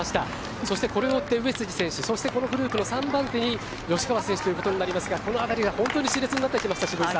そしてこれを追って上杉選手このグループの３番手に吉川選手ということになりますがこの辺りが本当にしれつになってきました、渋井さん。